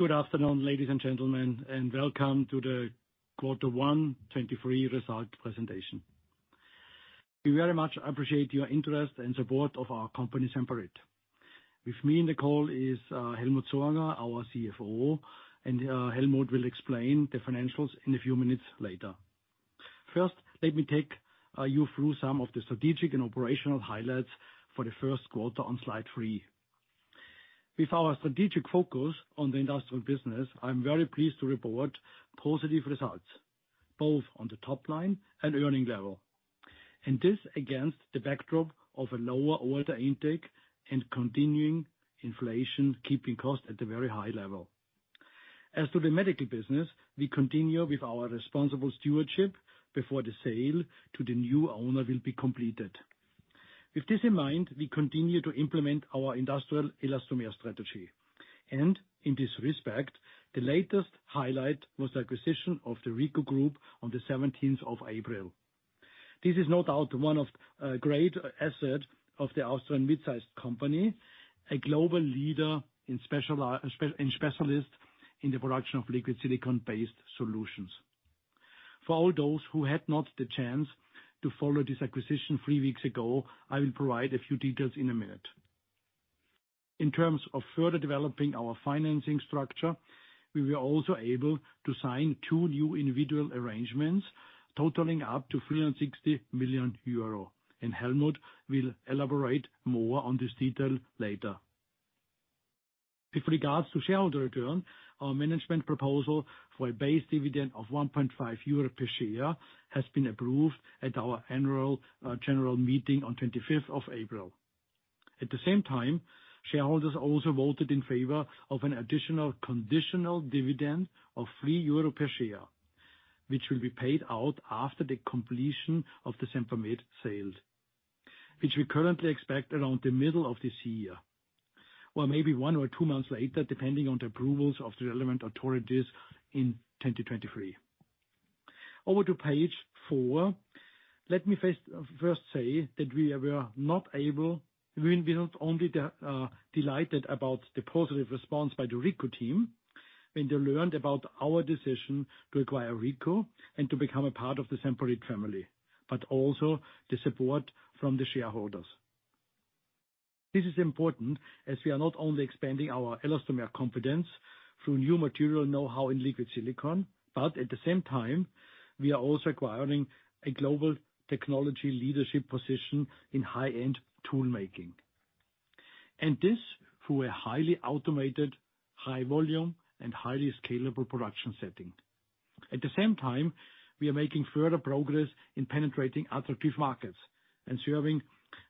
Good afternoon, ladies and gentlemen, welcome to the Quarter One 2023 result presentation. We very much appreciate your interest and support of our company, Semperit. With me in the call is Helmut Sorger, our CFO, and Helmut will explain the financials in a few minutes later. First, let me take you through some of the strategic and operational highlights for the first quarter on slide three. With our strategic focus on the industrial business, I'm very pleased to report positive results, both on the top line and earnings level. This against the backdrop of a lower order intake and continuing inflation, keeping costs at a very high level. As to the medical business, we continue with our responsible stewardship before the sale to the new owner will be completed. With this in mind, we continue to implement our industrial elastomer strategy. In this respect, the latest highlight was the acquisition of the RICO Group on the 17th of April. This is no doubt one of a great asset of the Austrian mid-sized company, a global leader and specialist in the production of liquid silicone-based solutions. For all those who had not the chance to follow this acquisition three weeks ago, I will provide a few details in a minute. In terms of further developing our financing structure, we were also able to sign two new individual arrangements totaling up to 360 million euro, and Helmut will elaborate more on this detail later. With regards to shareholder return, our management proposal for a base dividend of 1.5 euro per share has been approved at our annual general meeting on the 25th of April. At the same time, shareholders also voted in favor of an additional conditional dividend of 3 euro per share, which will be paid out after the completion of the Sempermed sale, which we currently expect around the middle of this year, or maybe one or two months later, depending on the approvals of the relevant authorities in 2023. Over to page four. Let me first say that we are not only delighted about the positive response by the RICO team when they learned about our decision to acquire RICO and to become a part of the Semperit family, but also the support from the shareholders. This is important as we are not only expanding our elastomer confidence through new material know-how in liquid silicone, but at the same time, we are also acquiring a global technology leadership position in high-end tool making. This through a highly automated, high volume, and highly scalable production setting. At the same time, we are making further progress in penetrating attractive markets and serving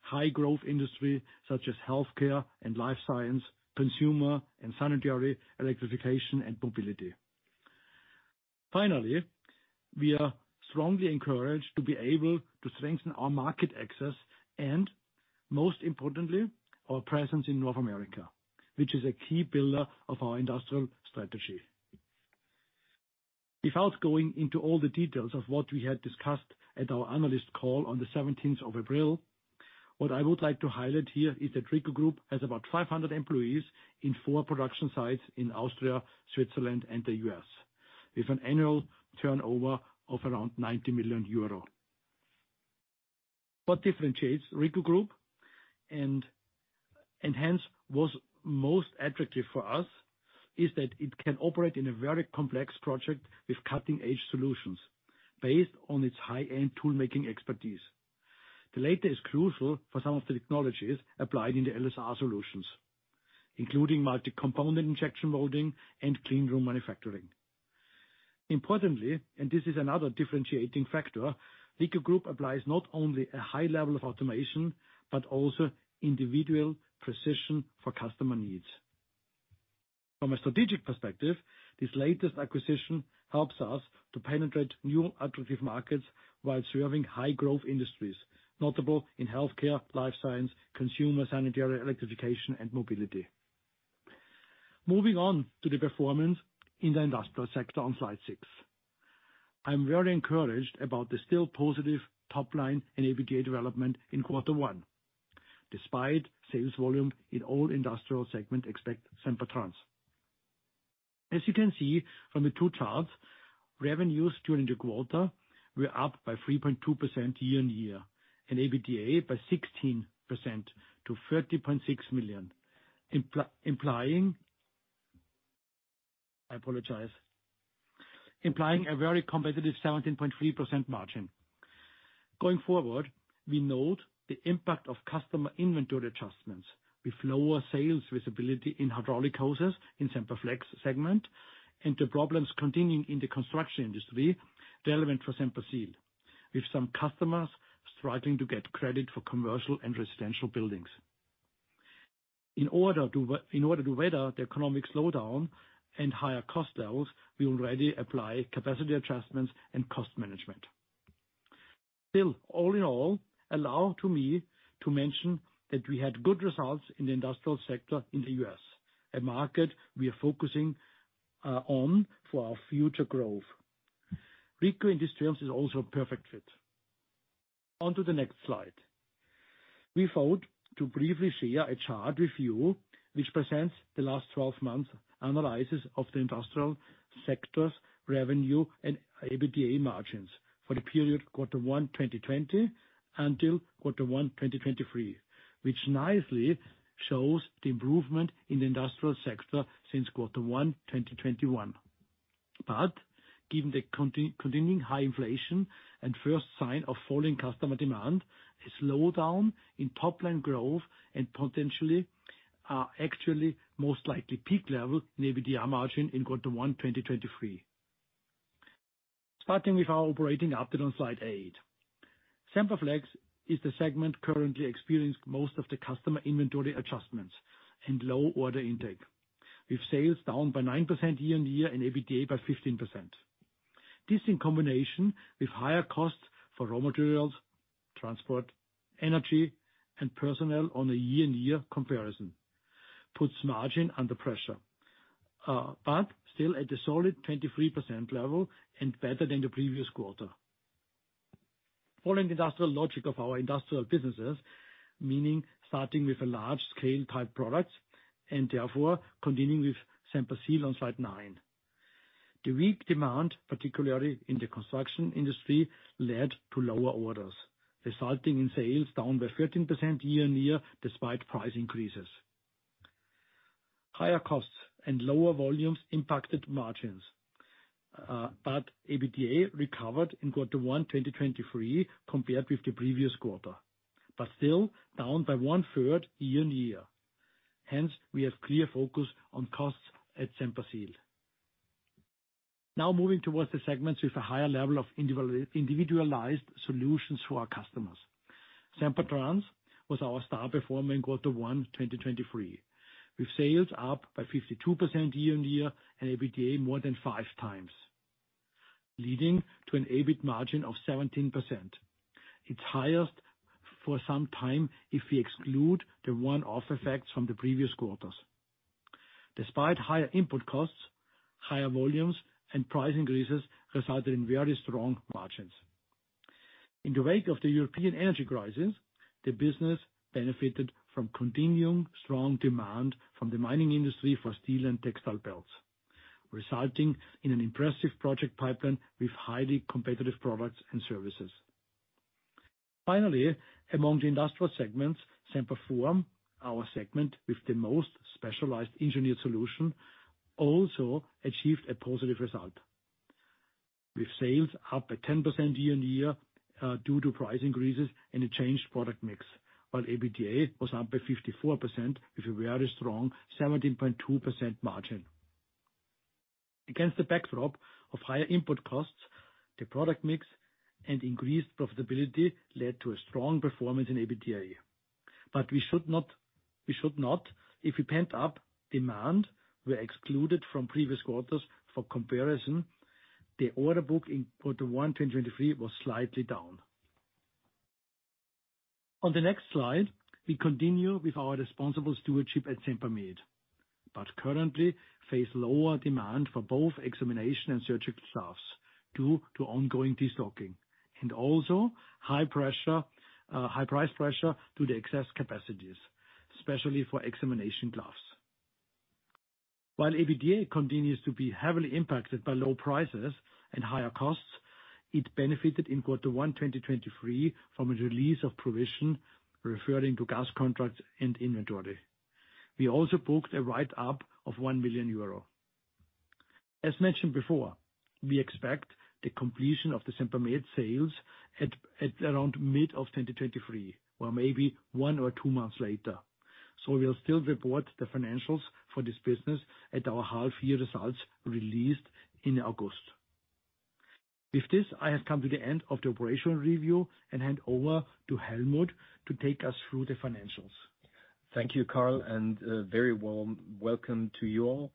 high growth industry such as healthcare and life science, consumer and sanitary, electrification and mobility. Finally, we are strongly encouraged to be able to strengthen our market access and, most importantly, our presence in North America, which is a key pillar of our industrial strategy. Without going into all the details of what we had discussed at our analyst call on the 17th of April, what I would like to highlight here is that RICO Group has about 500 employees in four production sites in Austria, Switzerland, and the US, with an annual turnover of around 90 million euro. What differentiates RICO Group and hence was most attractive for us, is that it can operate in a very complex project with cutting-edge solutions based on its high-end tool making expertise. The latter is crucial for some of the technologies applied in the LSR solutions, including multi-component injection moulding and cleanroom manufacturing. Importantly, and this is another differentiating factor, RICO Group applies not only a high level of automation, but also individual precision for customer needs. From a strategic perspective, this latest acquisition helps us to penetrate new attractive markets while serving high growth industries, notable in healthcare, life science, consumer sanitary, electrification, and mobility. Moving on to the performance in the industrial sector on slide six. I'm very encouraged about the still positive top line and EBITDA development in quarter one, despite sales volume in all industrial segment except Sempertrans. As you can see from the two charts, revenues during the quarter were up by 3.2% year-on-year, and EBITDA by 16% to 30.6 million. Implying. I apologize. Implying a very competitive 17.3% margin. Going forward, we note the impact of customer inventory adjustments with lower sales visibility in hydraulic hoses in Semperflex segment, and the problems continuing in the construction industry relevant for Semperseal, with some customers struggling to get credit for commercial and residential buildings. In order to in order to weather the economic slowdown and higher cost levels, we already apply capacity adjustments and cost management. Still, all in all, allow to me to mention that we had good results in the industrial sector in the U.S., a market we are focusing on for our future growth. RICO Group is also a perfect fit. On to the next slide. We thought to briefly share a chart with you which presents the last 12 months analysis of the industrial sector's revenue and EBITDA margins for the period Q1 2020 until Q1 2023, which nicely shows the improvement in the industrial sector since Q1 2021. Given the continuing high inflation and first sign of falling customer demand, a slowdown in top-line growth and potentially, actually most likely peak level in EBITDA margin in Q1 2023. Starting with our operating update on slide eight. Semperflex is the segment currently experienced most of the customer inventory adjustments and low order intake, with sales down by 9% year-on-year and EBITDA by 15%. This in combination with higher costs for raw materials, transport, energy, and personnel on a year-on-year comparison, puts margin under pressure, still at a solid 23% level and better than the previous quarter. Following the industrial logic of our industrial businesses, meaning starting with a large scale type products, and therefore continuing with Semperseal on slide nine. The weak demand, particularly in the construction industry, led to lower orders, resulting in sales down by 13% year-on-year, despite price increases. Higher costs and lower volumes impacted margins, EBITDA recovered in Q1 2023 compared with the previous quarter. Still down by 1/3 year-on-year. We have clear focus on costs at Semperseal. Moving towards the segments with a higher level of individualized solutions for our customers. Sempertrans was our star performer in Q1 2023, with sales up by 52% year-on-year and EBITDA more than 5x, leading to an EBIT margin of 17%. It's highest for some time if we exclude the one-off effects from the previous quarters. Despite higher input costs, higher volumes and price increases resulted in very strong margins. In the wake of the European energy crisis, the business benefited from continuing strong demand from the mining industry for steel and textile belts, resulting in an impressive project pipeline with highly competitive products and services. Finally, among the industrial segments, Semperform, our segment with the most specialized engineered solution, also achieved a positive result. With sales up by 10% year-on-year, due to price increases and a changed product mix, while EBITDA was up by 54% with a very strong 17.2% margin. Against the backdrop of higher input costs, the product mix and increased profitability led to a strong performance in EBITDA. We should not, if the pent-up demand were excluded from previous quarters for comparison, the order book in Q1 2023 was slightly down. On the next slide, we continue with our responsible stewardship at Sempermed, but currently face lower demand for both examination and surgical staffs due to ongoing destocking and also high pressure, high price pressure due to excess capacities, especially for examination gloves. EBITDA continues to be heavily impacted by low prices and higher costs, it benefited in Q1 2023 from a release of provision referring to gas contracts and inventory. We also booked a write up of 1 million euro. As mentioned before, we expect the completion of the Sempermed sales at around mid of 2023, or maybe one or two months later. We'll still report the financials for this business at our half year results released in August. With this, I have come to the end of the operational review and hand over to Helmut to take us through the financials. Thank you, Karl, very warm welcome to you all.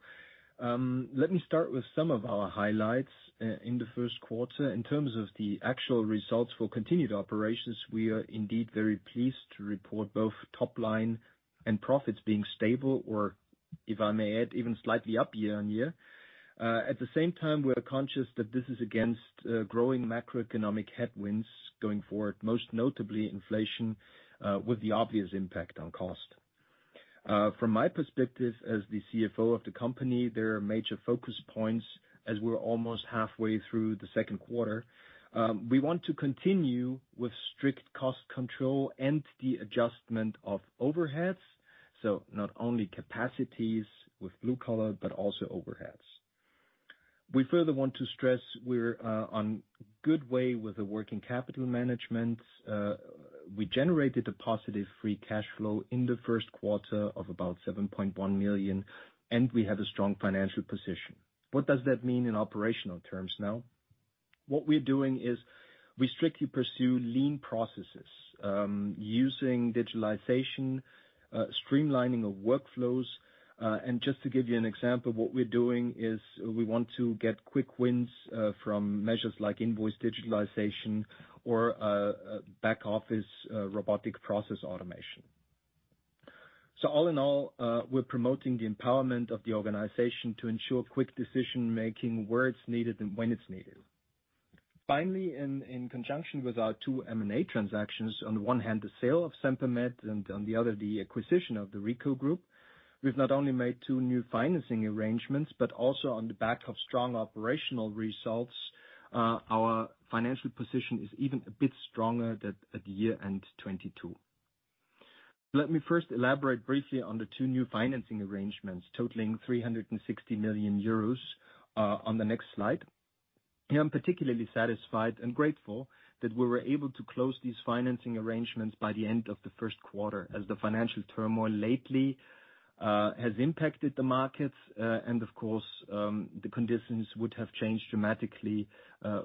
Let me start with some of our highlights in the first quarter. In terms of the actual results for continued operations, we are indeed very pleased to report both top line and profits being stable, or if I may add, even slightly up year-on-year. At the same time, we are conscious that this is against growing macroeconomic headwinds going forward, most notably inflation, with the obvious impact on cost. From my perspective as the CFO of the company, there are major focus points as we're almost halfway through the second quarter. We want to continue with strict cost control and the adjustment of overheads, so not only capacities with blue collar, but also overheads. We further want to stress we're on good way with the working capital management. We generated a positive free cash flow in the first quarter of about 7.1 million, and we have a strong financial position. What does that mean in operational terms now? What we're doing is we strictly pursue lean processes, using digitalization, streamlining of workflows. Just to give you an example, what we're doing is we want to get quick wins from measures like invoice digitalization or back office robotic process automation. All in all, we're promoting the empowerment of the organization to ensure quick decision-making where it's needed and when it's needed. Finally, in conjunction with our two M&A transactions, on the one hand the sale of Sempermed, and on the other, the acquisition of the RICO Group, we've not only made two new financing arrangements, but also on the back of strong operational results, our financial position is even a bit stronger at year-end 22. Let me first elaborate briefly on the two new financing arrangements totaling 360 million euros on the next slide. Here I'm particularly satisfied and grateful that we were able to close these financing arrangements by the end of the first quarter, as the financial turmoil lately has impacted the markets, and of course, the conditions would have changed dramatically,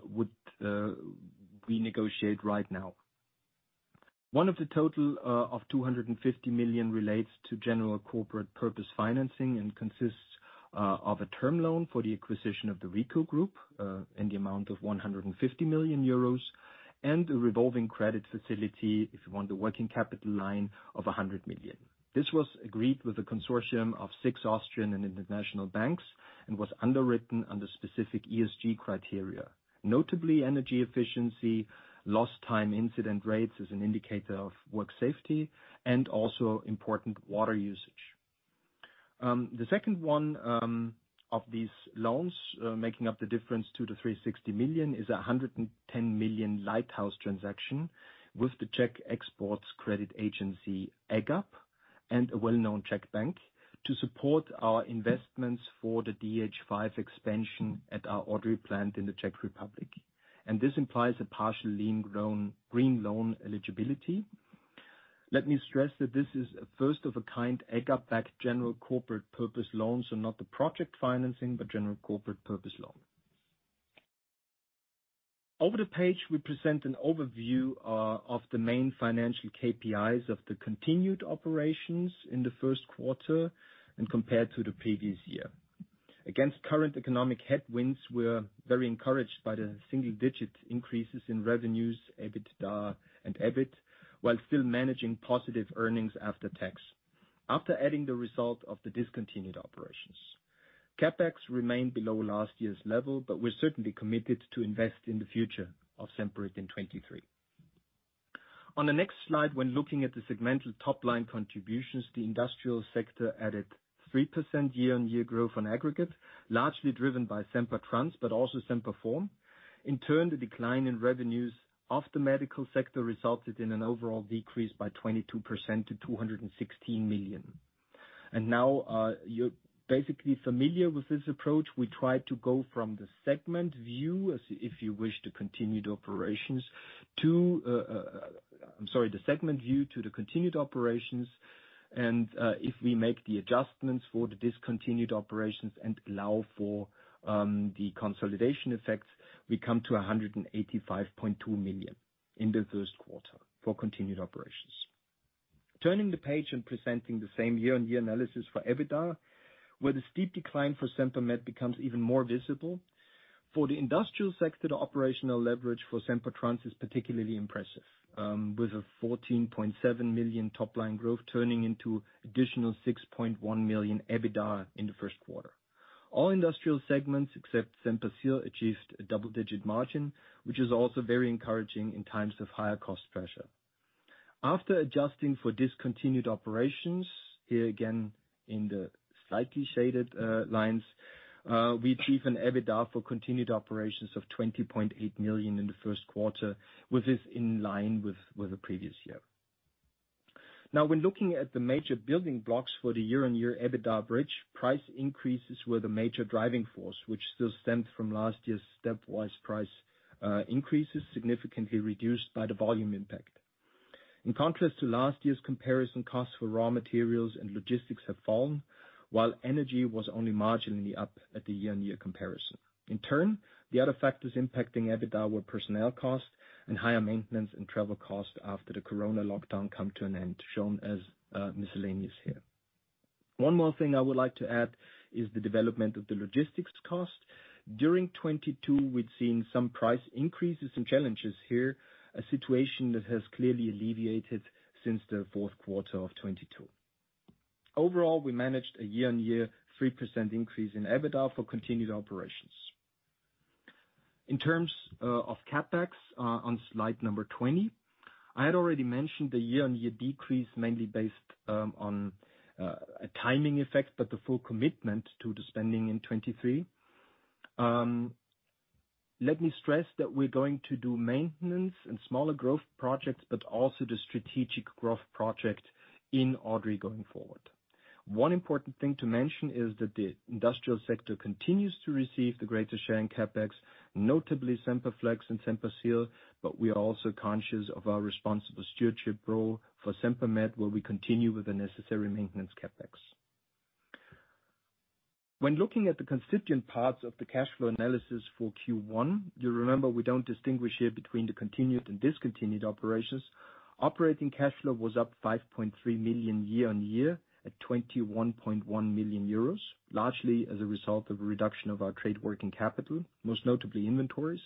would we negotiate right now. One of the total of 250 million relates to general corporate purpose financing and consists of a term loan for the acquisition of the RICO Group in the amount of 150 million euros, and a revolving credit facility if you want the working capital line of 100 million. This was agreed with a consortium of six Austrian and international banks, and was underwritten under specific ESG criteria. Notably, energy efficiency, lost time incident rates as an indicator of work safety, and also important, water usage. The second one of these loans making up the difference to the 360 million is a 110 million lighthouse transaction with the Czech exports credit agency, EGAP, and a well-known Czech bank to support our investments for the DH5 expansion at our Odry plant in the Czech Republic. This implies a partial lean loan, green loan eligibility. Let me stress that this is a first of a kind EGAP-backed general corporate purpose loans and not the project financing, but general corporate purpose loan. Over the page, we present an overview of the main financial KPIs of the continued operations in the first quarter and compared to the previous year. Against current economic headwinds, we're very encouraged by the single-digit increases in revenues, EBITDA and EBIT, while still managing positive earnings after tax. After adding the result of the discontinued operations, CapEx remained below last year's level, but we're certainly committed to invest in the future of Semperit in 2023. On the next slide, when looking at the segmental top-line contributions, the industrial sector added 3% year-on-year growth on aggregate, largely driven by Sempertrans, but also Semperform. In turn, the decline in revenues of the medical sector resulted in an overall decrease by 22% to 216 million. Now, you're basically familiar with this approach. We try to go from the segment view as if you wish to continue the operations to, I'm sorry, the segment view to the continued operations. If we make the adjustments for the discontinued operations and allow for the consolidation effects, we come to 185.2 million in the first quarter for continued operations. Turning the page and presenting the same year-on-year analysis for EBITDA, where the steep decline for Sempermed becomes even more visible. For the industrial sector, the operational leverage for Sempertrans is particularly impressive, with 14.7 million top line growth, turning into additional 6.1 million EBITDA in the first quarter. All industrial segments, except Semperseal, achieved a double-digit margin, which is also very encouraging in times of higher cost pressure. After adjusting for discontinued operations, here again in the slightly shaded lines, we achieve an EBITDA for continued operations of 20.8 million in the first quarter, with this in line with the previous year. When looking at the major building blocks for the year-on-year EBITDA bridge, price increases were the major driving force, which still stemmed from last year's stepwise price increases, significantly reduced by the volume impact. In contrast to last year's comparison, costs for raw materials and logistics have fallen, while energy was only marginally up at the year-on-year comparison. The other factors impacting EBITDA were personnel costs and higher maintenance and travel costs after the corona lockdown come to an end, shown as miscellaneous here. One more thing I would like to add is the development of the logistics cost. During 2022, we'd seen some price increases and challenges here, a situation that has clearly alleviated since the fourth quarter of 2022. Overall, we managed a year-on-year 3% increase in EBITDA for continued operations. Of CapEx on slide number 20, I had already mentioned the year-on-year decrease, mainly based on a timing effect, but the full commitment to the spending in 2023. Let me stress that we're going to do maintenance and smaller growth projects, but also the strategic growth project in Odry going forward. One important thing to mention is that the industrial sector continues to receive the greatest share in CapEx, notably Semperflex and Semperseal, but we are also conscious of our responsible stewardship role for Sempermed, where we continue with the necessary maintenance CapEx. When looking at the constituent parts of the cash flow analysis for Q1, you remember we don't distinguish here between the continued and discontinued operations. Operating cash flow was up 5.3 million year-over-year, at 21.1 million euros, largely as a result of a reduction of our trade working capital, most notably inventories.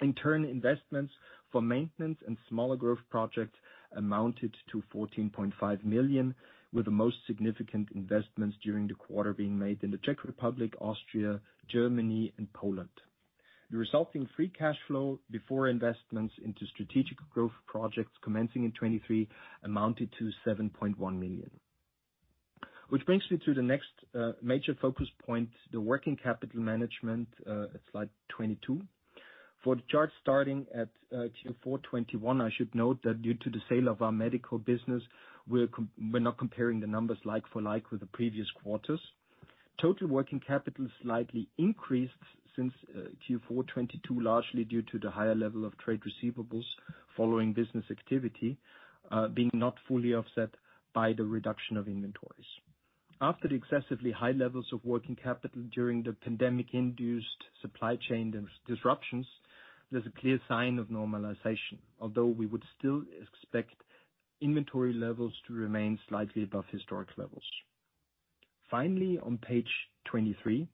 In turn, investments for maintenance and smaller growth projects amounted to 14.5 million, with the most significant investments during the quarter being made in the Czech Republic, Austria, Germany and Poland. The resulting free cash flow before investments into strategic growth projects commencing in 2023 amounted to 7.1 million. Which brings me to the next major focus point, the working capital management, slide 22. For the chart starting at Q4 2021, I should note that due to the sale of our medical business, we're not comparing the numbers like for like with the previous quarters. Total working capital slightly increased since Q4 2022, largely due to the higher level of trade receivables following business activity, being not fully offset by the reduction of inventories. After the excessively high levels of working capital during the pandemic-induced supply chain disruptions, there's a clear sign of normalization, although we would still expect inventory levels to remain slightly above historic levels. Finally, on page 23,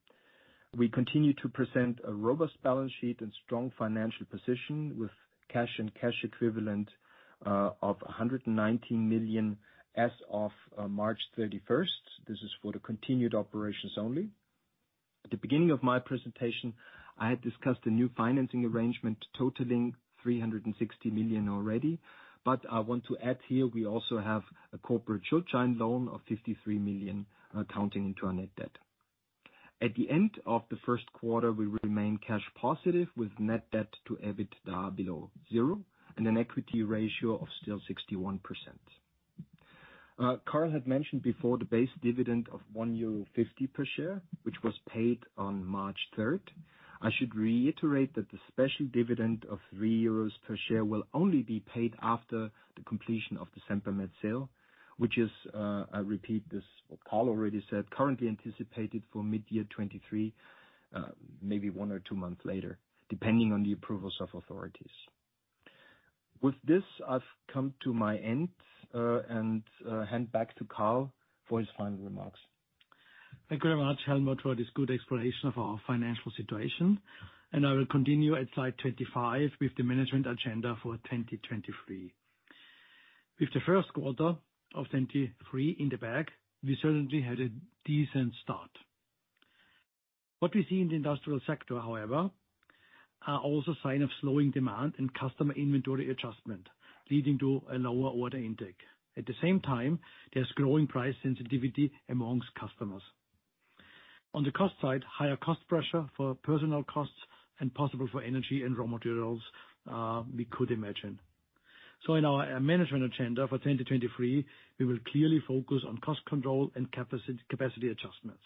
we continue to present a robust balance sheet and strong financial position with cash and cash equivalent of 119 million as of March 31st. This is for the continued operations only. At the beginning of my presentation, I had discussed a new financing arrangement totaling 360 million already. I want to add here we also have a corporate Schuldschein loan of 53 million accounting into our net debt. At the end of the 1st quarter, we remain cash positive, with net debt to EBITDA below zero and an equity ratio of still 61%. Karl had mentioned before the base dividend of 1.50 euro per share, which was paid on March 3rd. I should reiterate that the special dividend of 3 euros per share will only be paid after the completion of the Sempermed sale, which is, I repeat this, what Karl already said, currently anticipated for mid-year 2023, maybe one or two months later, depending on the approvals of authorities. With this, I've come to my end, and hand back to Karl for his final remarks. Thank you very much, Helmut, for this good explanation of our financial situation. I will continue at slide 25 with the management agenda for 2023. With the first quarter of 23 in the bag, we certainly had a decent start. What we see in the industrial sector, however, are also signs of slowing demand and customer inventory adjustment, leading to a lower order intake. At the same time, there's growing price sensitivity amongst customers. On the cost side, higher cost pressure for personal costs and possible for energy and raw materials, we could imagine. In our management agenda for 2023, we will clearly focus on cost control and capacity adjustments,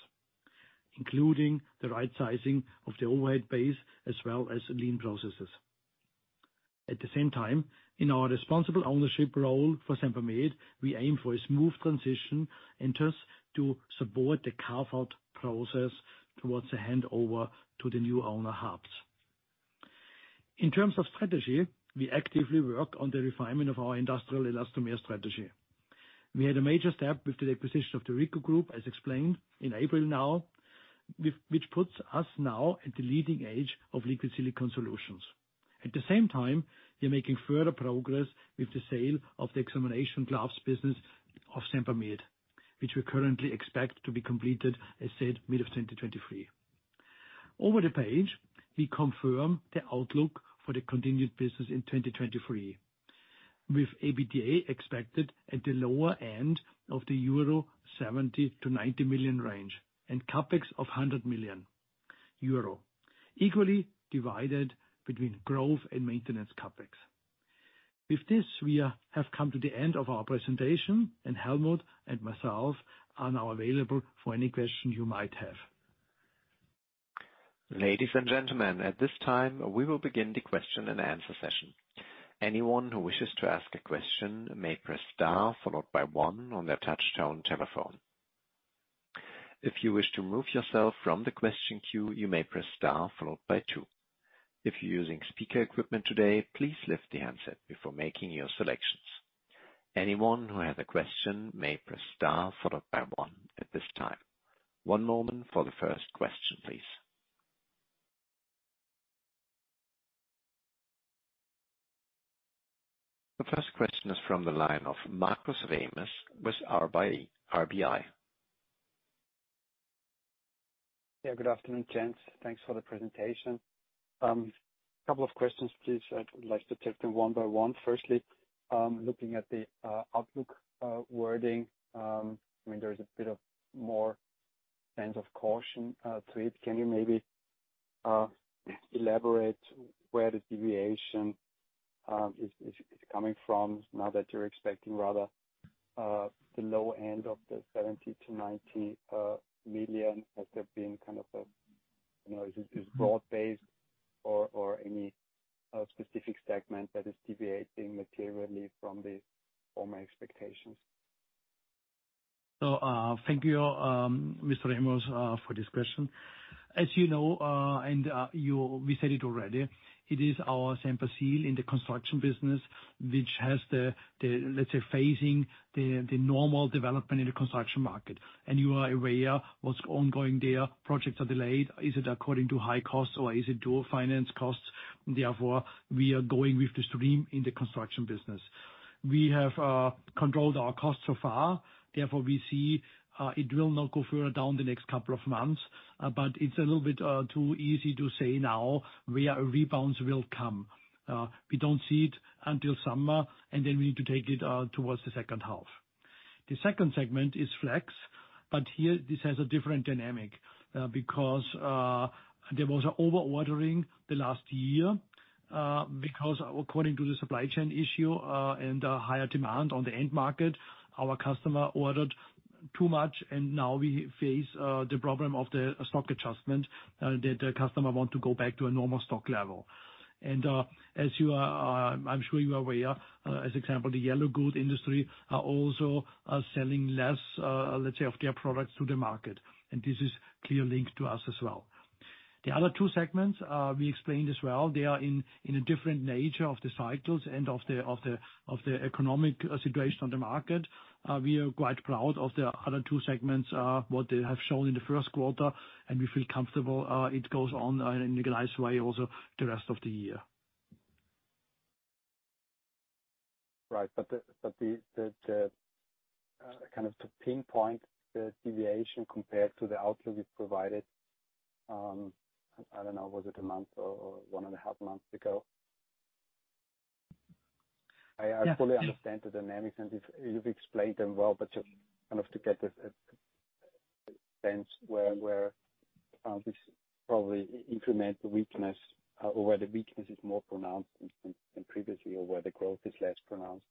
including the right-sizing of the overhead base as well as lean processes. At the same time, in our responsible ownership role for Sempermed, we aim for a smooth transition and thus to support the carve-out process towards the handover to the new owner hubs. In terms of strategy, we actively work on the refinement of our industrial elastomer strategy. We had a major step with the acquisition of the RICO Group, as explained in April now, which puts us now at the leading edge of liquid silicone solutions. At the same time, we are making further progress with the sale of the examination gloves business of Sempermed, which we currently expect to be completed, as said, mid-2023. Over the page, we confirm the outlook for the continued business in 2023, with EBITDA expected at the lower end of the euro 70-90 million range and CapEx of 100 million euro, equally divided between growth and maintenance CapEx. With this, we have come to the end of our presentation, and Helmut and myself are now available for any question you might have. Ladies and gentlemen, at this time, we will begin the question and answer session. Anyone who wishes to ask a question may press star followed by 1 on their touchtone telephone. If you wish to remove yourself from the question queue, you may press star followed by 2. If you're using speaker equipment today, please lift the handset before making your selections. Anyone who has a question may press star followed by 1 at this time. One moment for the first question, please. The first question is from the line of Markus Remis with RBI. Good afternoon, gents. Thanks for the presentation. Couple of questions, please. I'd like to take them one by one. Firstly, looking at the outlook wording, I mean, there's a bit of more sense of caution to it. Can you maybe elaborate where the deviation is coming from now that you're expecting rather the low end of the 70 million-90 million? Has there been kind of a, you know, is it broad based or any specific segment that is deviating materially from the former expectations? Thank you, Mr. Remis, for this question. As you know, and you, we said it already, it is our Semperseal in the construction business, which has the, let's say, phasing the normal development in the construction market. You are aware what's ongoing there. Projects are delayed. Is it according to high costs or is it dual finance costs? We are going with the stream in the construction business. We have controlled our costs so far, therefore we see it will not go further down the next couple of months. It's a little bit too easy to say now where a rebounds will come. We don't see it until summer, then we need to take it towards the second half. The second segment is Flex. Here, this has a different dynamic because there was over-ordering the last year, because according to the supply chain issue and a higher demand on the end market, our customer ordered too much and now we face the problem of the stock adjustment that the customer want to go back to a normal stock level. As you are, I'm sure you are aware, as example, the yellow goods industry are also selling less, let's say, of their products to the market. This is clear link to us as well. The other two segments, we explained as well, they are in a different nature of the cycles and of the economic situation on the market. We are quite proud of the other two segments, what they have shown in the first quarter. We feel comfortable, it goes on in a nice way also the rest of the year. Right. The kind of to pinpoint the deviation compared to the outlook you provided, I don't know, was it a month or 1.5 months ago? Yes. I fully understand the dynamics, and you've explained them well, but just kind of to get a sense where this probably implement the weakness or where the weakness is more pronounced than previously, or where the growth is less pronounced.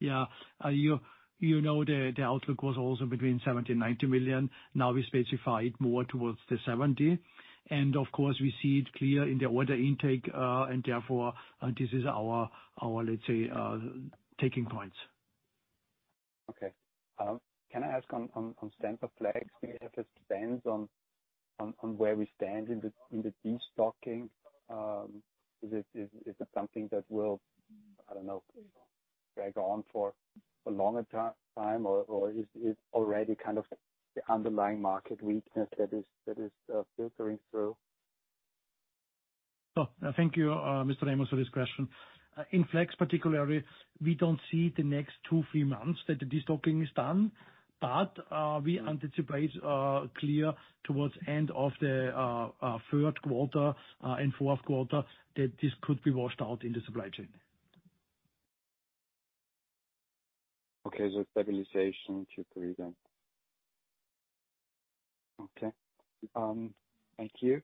Yeah, you know, the outlook was also between 70 million and 90 million. Now we specify it more towards the 70. Of course, we see it clear in the order intake, therefore, this is our, let's say, taking points. Okay. Can I ask on standard flags, if it depends on where we stand in the destocking, is it something that will drag on for a longer time, or is already kind of the underlying market weakness that is filtering through? Thank you, Mr. Remis, for this question. In Flex particularly, we don't see the next two, three months that the destocking is done, but we anticipate clear towards end of the third quarter and fourth quarter that this could be washed out in the supply chain. Okay. Stabilization Q3 then. Okay. Thank you.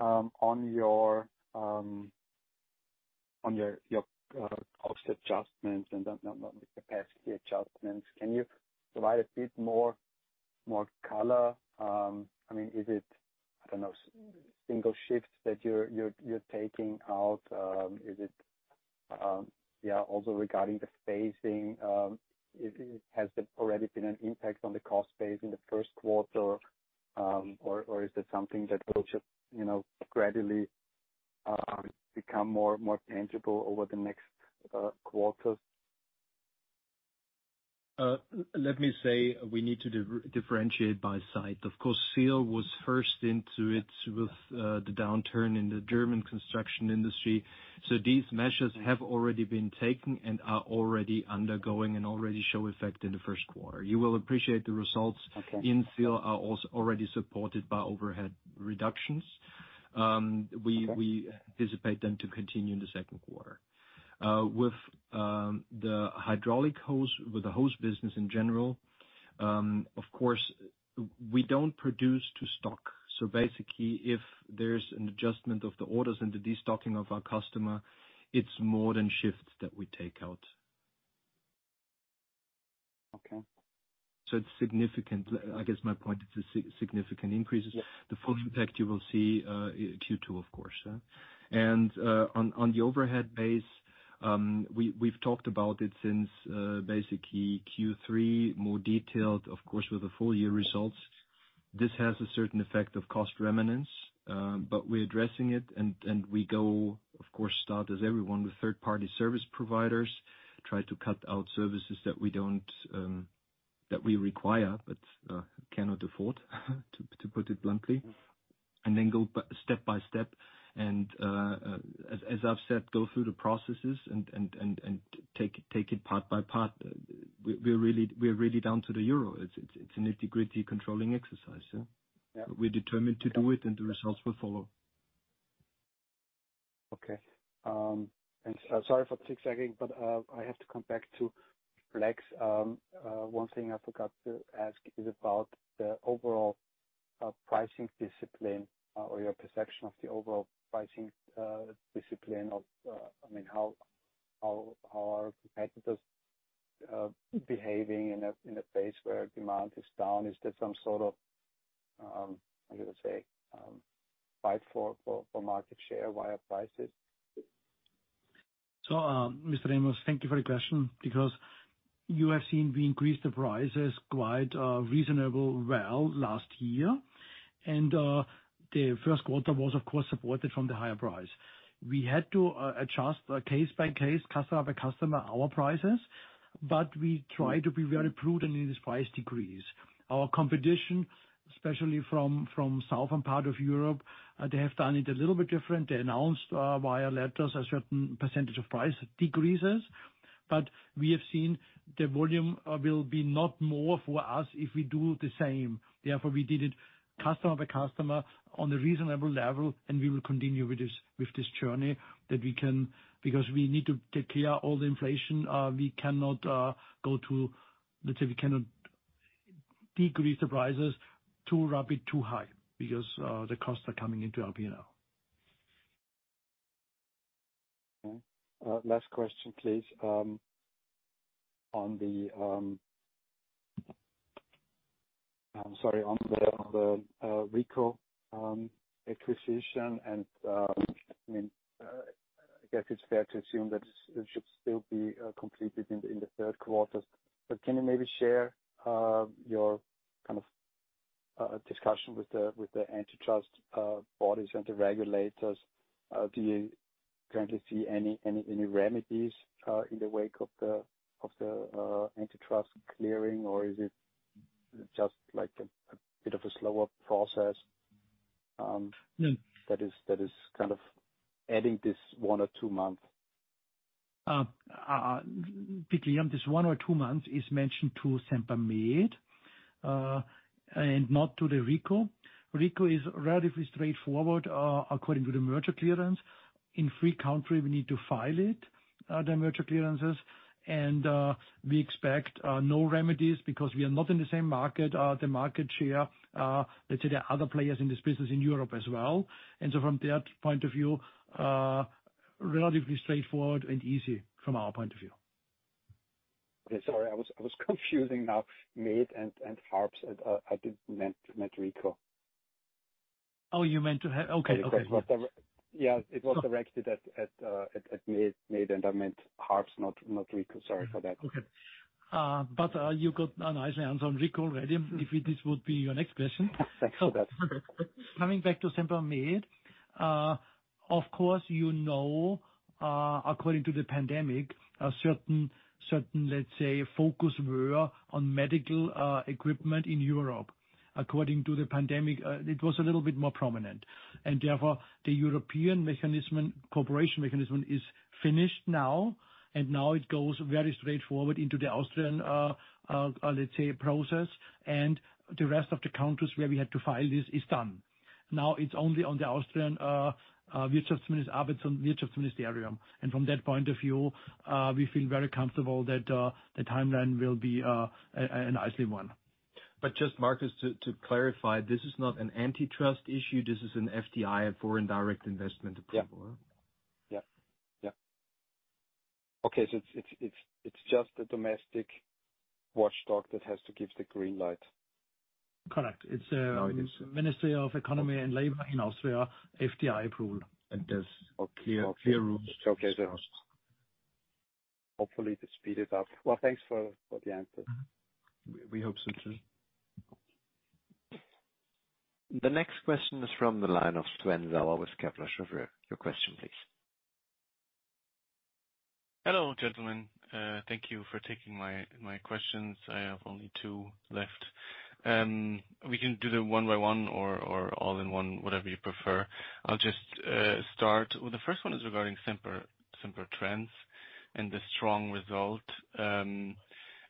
On your cost adjustments and the capacity adjustments, can you provide a bit more color? I mean, is it, I don't know, single shifts that you're taking out? Is it, yeah, also regarding the phasing, has there already been an impact on the cost phase in the first quarter, or is this something that will just, you know, gradually become more tangible over the next quarters? Let me say we need to differentiate by site. Of course, Seal was first into it with the downturn in the German construction industry. These measures have already been taken and are already undergoing and already show effect in the first quarter. You will appreciate the results. Okay. In Seal are already supported by overhead reductions. We anticipate them to continue in the second quarter. With the hydraulic hose, with the hose business in general, of course, we don't produce to stock. Basically, if there's an adjustment of the orders and the destocking of our customer, it's more than shifts that we take out. Okay. It's significant. I guess my point is the significant increases. Yeah. The full impact you will see in Q2, of course. On the overhead base, we've talked about it since basically Q3, more detailed, of course, with the full year results. This has a certain effect of cost remanence, but we're addressing it and we go, of course, start as everyone, with third-party service providers, try to cut out services that we don't that we require, but cannot afford, to put it bluntly. Then go step by step and as I've said, go through the processes and take it part by part. We're really down to the euro. It's a nitty-gritty controlling exercise, yeah. Yeah. We're determined to do it and the results will follow. Okay. Sorry for keep sagging, but I have to come back to Semperflex. One thing I forgot to ask is about the overall pricing discipline or your perception of the overall pricing discipline of, I mean, how are competitors behaving in a place where demand is down? Is there some sort of, I'm gonna say, fight for market share via prices? Mr. Ramos, thank you for the question. You have seen we increased the prices quite reasonable well last year. The first quarter was, of course, supported from the higher price. We had to adjust case by case, customer by customer, our prices. We try to be very prudent in this price decrease. Our competition, especially from southern part of Europe, they have done it a little bit different. They announced via letters a certain % of price decreases. We have seen the volume will be not more for us if we do the same. Therefore, we did it customer by customer on a reasonable level, and we will continue with this journey that we can... We need to take care of all the inflation, we cannot, let's say we cannot decrease the prices too rapid, too high because the costs are coming into our P&L. Okay. Last question, please. I'm sorry, on the RICO acquisition, and I guess it's fair to assume that it should still be completed in the third quarter. Can you maybe share your kind of discussion with the antitrust bodies and the regulators? Do you currently see any remedies in the wake of the antitrust clearing, or is it just like a bit of a slower process? No. that is kind of adding this one or two month? Particularly on this one or two months is entioned to Sempermed and not to the Rico. Rico is relatively straightforward according to the merger clearance. In three country we need to file it, the merger clearances. We expect no remedies because we are not in the same market. The market share, let's say there are other players in this business in Europe as well. From that point of view, relatively straightforward and easy from our point of view. Okay. Sorry, I was confusing now Med and HARPS. I did meant RICO. Oh. Okay. Okay. Yeah. It was directed at Sempermed. I meant Harps not Rico. Sorry for that. Okay. You got a nice answer on RICO already, if this would be your next question. Thanks for that. Coming back to Sempermed. Of course you know, according to the pandemic, a certain, let's say, focus were on medical equipment in Europe. According to the pandemic, it was a little bit more prominent. Therefore, the European mechanism, Cooperation Mechanism is finished now, and now it goes very straightforward into the Austrian, let's say, process. The rest of the countries where we had to file this is done. Now it's only on the Austrian Wirtschaftsministerium. From that point of view, we feel very comfortable that the timeline will be a nicely one. Just, Markus, to clarify, this is not an antitrust issue. This is an FDI, a foreign direct investment approval. Yeah. Yeah. Yeah. Okay. It's just a domestic watchdog that has to give the green light. Correct. It's. Now it is. Ministry of Economy and Labor in Austria, FDI approval. Understood. Okay. Clear, clear rules. Okay. Hopefully to speed it up. Thanks for the answers. Mm-hmm. We hope so too. The next question is from the line of Sven Sauer with Kepler Cheuvreux. Your question please. Hello, gentlemen. Thank you for taking my questions. I have only two left. We can do them one by one or all in one, whatever you prefer. I'll just start. Well, the first one is regarding Sempertrans and the strong result.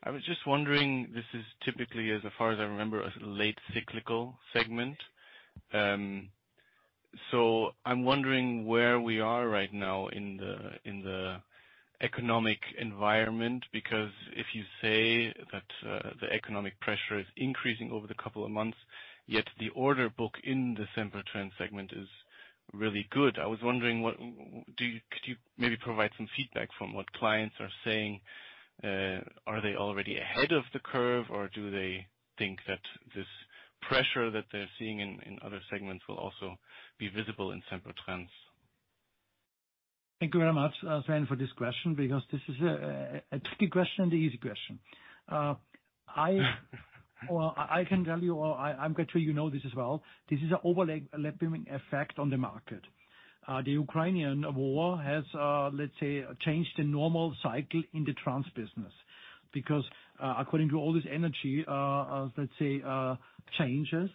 I was just wondering, this is typically, as far as I remember, a late cyclical segment. I'm wondering where we are right now in the economic environment. Because if you say that the economic pressure is increasing over the couple of months, yet the order book in the Sempertrans segment is really good. I was wondering what could you maybe provide some feedback from what clients are saying? Are they already ahead of the curve, or do they think that this pressure that they're seeing in other segments will also be visible in Sempertrans? Thank you very much, Sven, for this question, because this is a tricky question and a easy question. Well, I can tell you all, I'm quite sure you know this as well. This is an overlay laundering effect on the market. The Ukrainian war has, let's say, changed the normal cycle in the Trans business. According to all this energy, let's say, changes,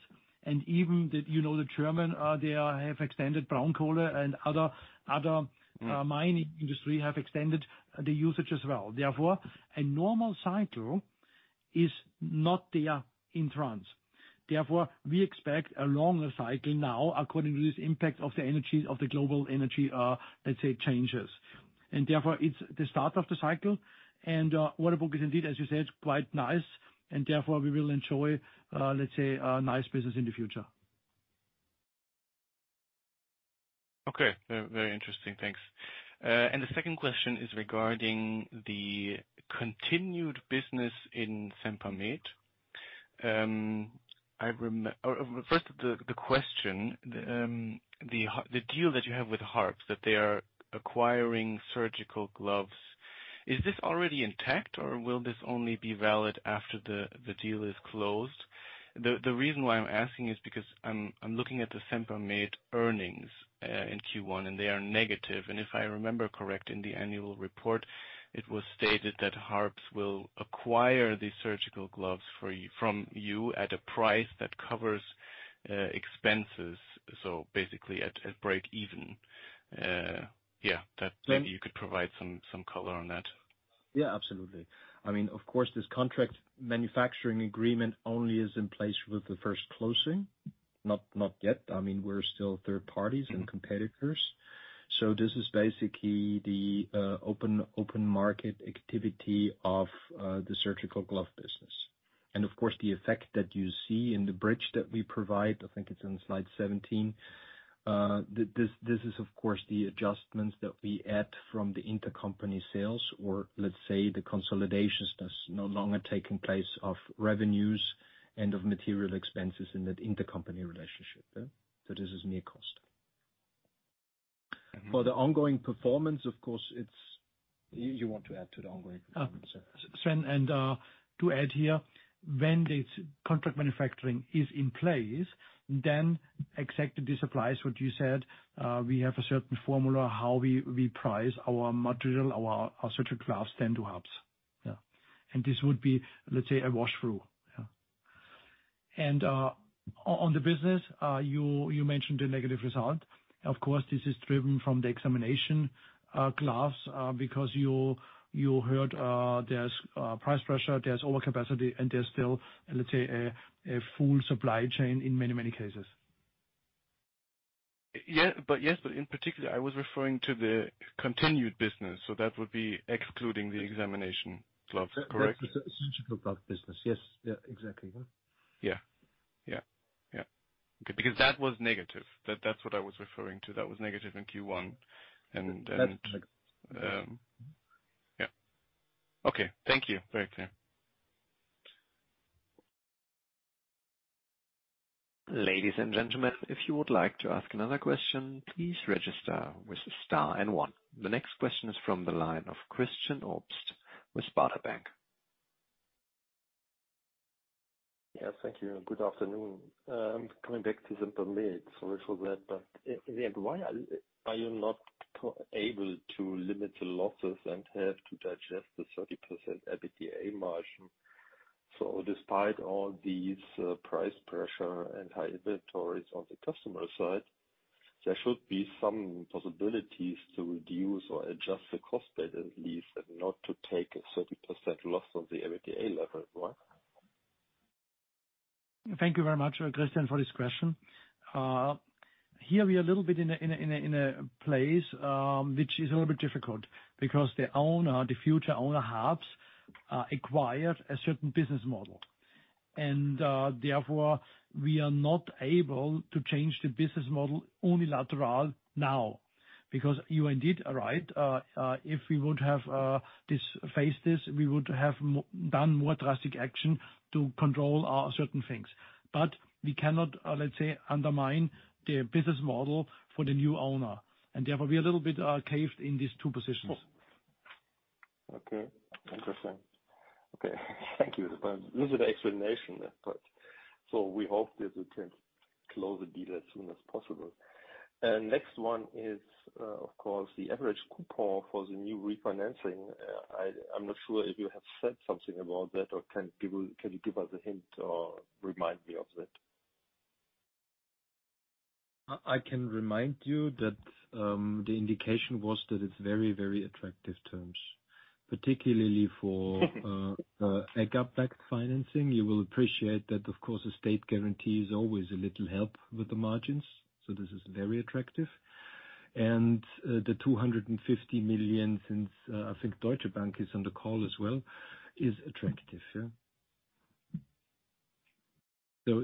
and even the, you know, the German, they have extended brown coal and other. Mm. mining industry have extended the usage as well. Therefore, a normal cycle is not there in Trans. Therefore, we expect a longer cycle now according to this impact of the energy, of the global energy, let's say, changes. Therefore, it's the start of the cycle. Water book is indeed, as you said, quite nice. Therefore, we will enjoy, let's say, a nice business in the future. Okay. Very, very interesting. Thanks. The second question is regarding the continued business in Sempermed. Or, or first the question. The deal that you have with HARPS, that they are acquiring surgical gloves. Is this already intact, or will this only be valid after the deal is closed? The reason why I'm asking is because I'm looking at the Sempermed earnings in Q1, and they are negative. If I remember correct, in the annual report, it was stated that HARPS will acquire these surgical gloves from you at a price that covers expenses. Basically at break even. That maybe you could provide some color on that. Yeah, absolutely. I mean, of course, this contract manufacturing agreement only is in place with the first closing. Not yet. I mean, we're still third parties and competitors. This is basically the open market activity of the surgical glove business. Of course, the effect that you see in the bridge that we provide, I think it's on slide 17. This is of course, the adjustments that we add from the intercompany sales or let's say the consolidations that's no longer taking place of revenues and of material expenses in that intercompany relationship, yeah. This is near cost. Mm-hmm. For the ongoing performance, of course, it's. You want to add to the ongoing performance? Sven, to add here, when this contract manufacturing is in place, then exactly this applies what you said. We have a certain formula how we price our material, our surgical gloves then to HARPS. Yeah. This would be, let's say, a wash through. Yeah. On the business, you mentioned a negative result. Of course, this is driven from the examination gloves, because you heard there's price pressure, there's overcapacity, and there's still, let's say, a full supply chain in many, many cases. Yeah. Yes, but in particular, I was referring to the continued business, so that would be excluding the examination gloves. Correct? That's the surgical glove business. Yes. Yeah, exactly. Yeah. Yeah. Yeah. Yeah. Because that was negative. That's what I was referring to. That was negative in Q1. That's like- Yeah. Okay. Thank you. Very clear. Ladies and gentlemen, if you would like to ask another question, please register with star and one. The next question is from the line of Christian Obst with Baader Bank. Yeah, thank you. Good afternoon. coming back to Sempermed. Sorry for that. In the end, why are you not able to limit the losses and have to digest the 30% EBITDA margin? Despite all these, price pressure and high inventories on the customer side, there should be some possibilities to reduce or adjust the cost at least and not to take a 30% loss on the EBITDA level, right? Thank you very much, Christian, for this question. Here we are a little bit in a place which is a little bit difficult because the owner, the future owner, HARPS acquired a certain business model. Therefore, we are not able to change the business model unilateral now. Because you indeed are right. If we would have faced this, we would have done more drastic action to control certain things. We cannot, let's say, undermine the business model for the new owner. Therefore, we're a little bit caved in these two positions. Okay. Interesting. Okay. Thank you. This is an explanation, but so we hope that we can close the deal as soon as possible. Next one is, of course, the average coupon for the new refinancing. I'm not sure if you have said something about that or can you give us a hint or remind me of that? I can remind you that the indication was that it's very, very attractive terms, particularly for AGAP-backed financing. You will appreciate that, of course, a state guarantee is always a little help with the margins. This is very attractive. The 250 million, since I think Deutsche Bank is on the call as well, is attractive. Yeah.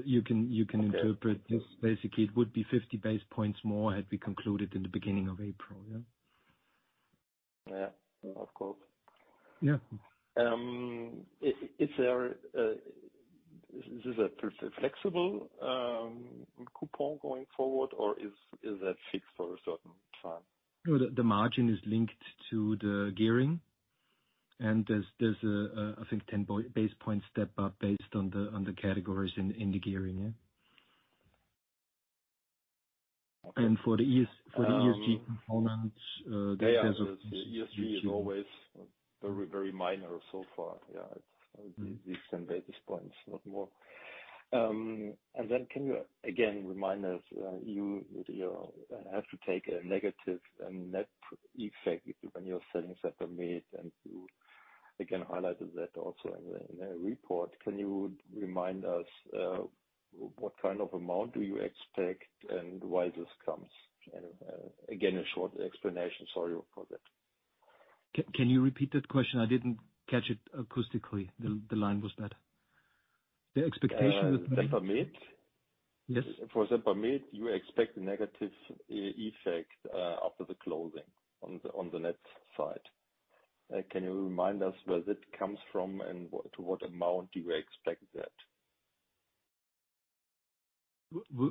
You can, you can interpret this. Basically, it would be 50 base points more had we concluded in the beginning of April. Yeah. Yeah. Of course. Yeah. Is there is this a flexible coupon going forward, or is that fixed for a certain time? No, the margin is linked to the gearing. There's a, I think 10 base point step up based on the, on the categories in the gearing, yeah. Okay. For the ESG... Um- For the ESG components, there's. ESG is always very, very minor so far. It's these 10 basis points, not more. Can you again remind us, you have to take a negative and net effect when you're selling Sempermed, and you again highlighted that also in the report. Can you remind us, what kind of amount do you expect and why this comes? Again, a short explanation. Sorry for that. Can you repeat that question? I didn't catch it acoustically. The line was bad. The expectation with what? Sempermed. Yes. For Sempermed, you expect a negative effect after the closing on the net side. Can you remind us where that comes from and to what amount do you expect that? We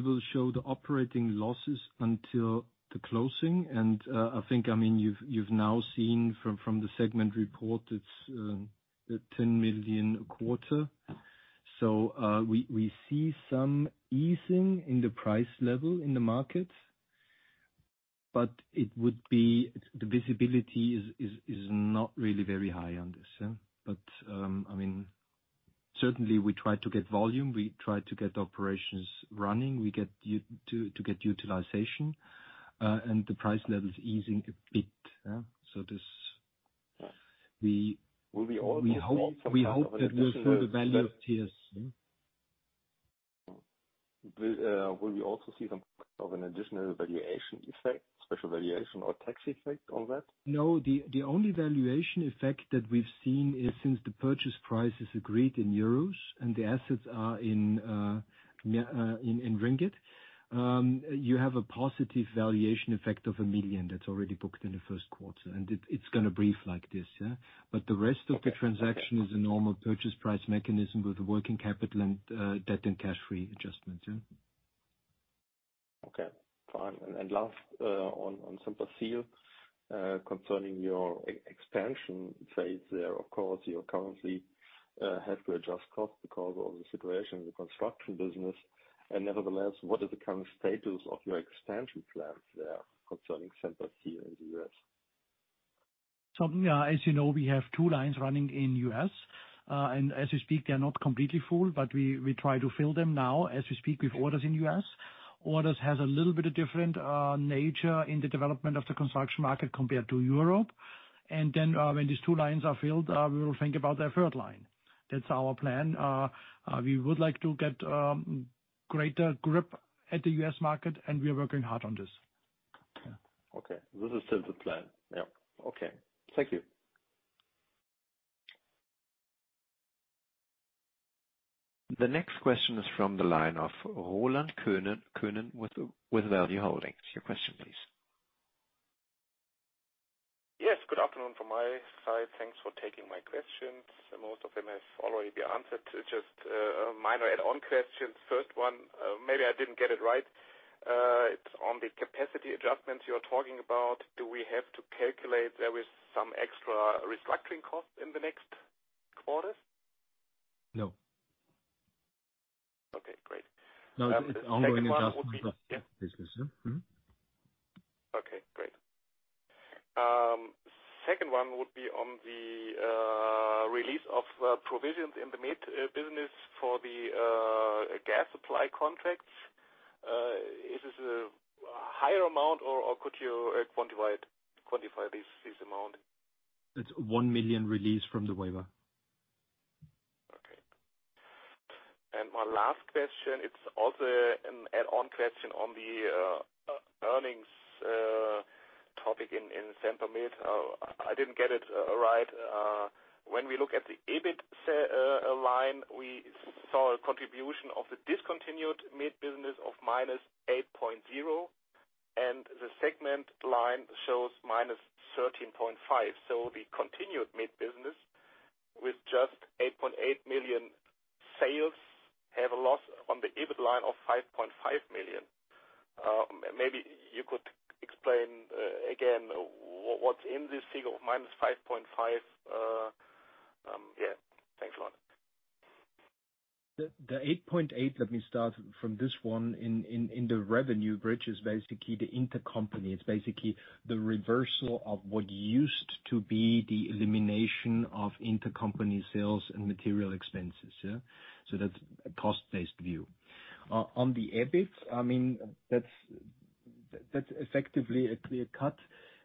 will show the operating losses until the closing. I think, I mean, you've now seen from the segment report it's 10 million a quarter. We see some easing in the price level in the market. The visibility is not really very high on this, yeah. I mean, certainly we try to get volume, we try to get operations running, we get to get utilization, and the price level is easing a bit, yeah. This, we- Will we all- We hope that we'll feel the value of this, yeah. Will we also see some of an additional valuation effect, special valuation or tax effect on that? No. The only valuation effect that we've seen is since the purchase price is agreed in EUR and the assets are in ringgit. You have a positive valuation effect of 1 million that's already booked in the first quarter. It's gonna brief like this, yeah. But the rest of the transaction is a normal purchase price mechanism with working capital and debt and cash free adjustments, yeah. Okay, fine. Last, on Semperseal, concerning your e-expansion phase there. Of course, you currently have to adjust cost because of the situation in the construction business. Nevertheless, what is the current status of your expansion plans there concerning Semperseal in the US? As you know, we have two lines running in U.S. As we speak, they are not completely full, but we try to fill them now as we speak with orders in U.S. Orders has a little bit of different nature in the development of the construction market compared to Europe. When these two lines are filled, we will think about a third line. That's our plan. We would like to get greater grip at the U.S. market, and we are working hard on this. Yeah. Okay. This is still the plan. Yeah. Okay. Thank you. The next question is from the line of Roland Könen, Koenen with Value Holdings. Your question please. Yes, good afternoon from my side. Thanks for taking my questions. Most of them have already been answered. Just a minor add-on questions. First one, maybe I didn't get it right. It's on the capacity adjustments you're talking about. Do we have to calculate there is some extra restructuring cost in the next quarters? No. Okay, great. No. Ongoing investment. Second one would be... Yeah. Business, yeah. Mm-hmm. Okay, great. Second one would be on the release of provisions in the mid business for the gas supply contracts. Is this a higher amount or could you quantify this amount? It's 1 million release from the waiver. Okay. My last question, it's also an add-on question on the earnings topic in Sempermed. I didn't get it right. When we look at the EBIT line, we saw a contribution of the discontinued mid-business of minus 8.0, and the segment line shows minus 13.5. The continued mid business with just 8.8 million sales have a loss on the EBIT line of 5.5 million. Maybe you could explain again what's in this figure of minus 5.5. Yeah. Thanks a lot. The 8.8, let me start from this one. In the revenue bridge is basically the intercompany. It's basically the reversal of what used to be the elimination of intercompany sales and material expenses, yeah. That's a cost-based view. On the EBIT, I mean, that's effectively a clear cut.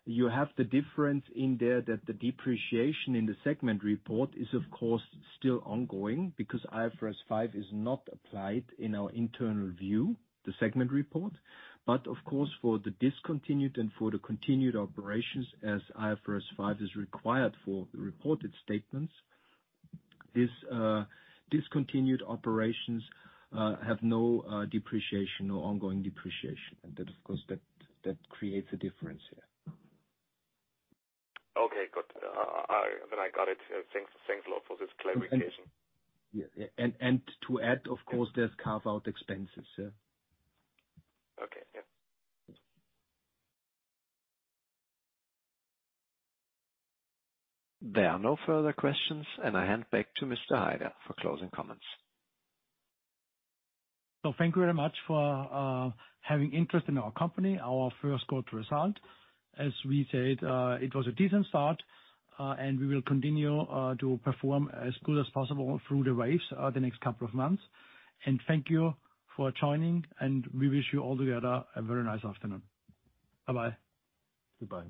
You have the difference in there that the depreciation in the segment report is of course still ongoing because IFRS 5 is not applied in our internal view, the segment report. Of course, for the discontinued and for the continued operations, as IFRS 5 is required for the reported statements, this discontinued operations have no depreciation or ongoing depreciation. That of course that creates a difference, yeah. Okay, got it. I got it. Thanks a lot for this clarification. Yeah. To add, of course, there's carve-out expenses, yeah. Okay, yep. There are no further questions, and I hand back to Mr. Haider for closing comments. Thank you very much for having interest in our company, our first quarter result. As we said, it was a decent start, and we will continue to perform as good as possible through the waves, the next couple of months. Thank you for joining, and we wish you all together a very nice afternoon. Bye-bye. Goodbye.